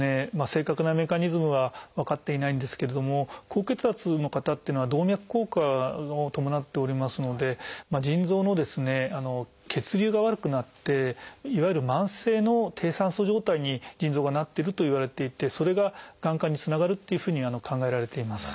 正確なメカニズムは分かっていないんですけれども高血圧の方というのは動脈硬化を伴っておりますので腎臓の血流が悪くなっていわゆる慢性の低酸素状態に腎臓がなってるといわれていてそれががん化につながるというふうに考えられています。